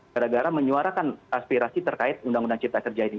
gara gara menyuarakan aspirasi terkait undang undang cipta kerja ini